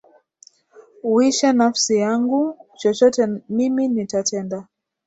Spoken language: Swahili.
Uishe nafsi yangu, chochote mimi nitatenda